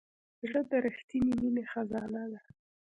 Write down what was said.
زړه د رښتینې مینې خزانه ده.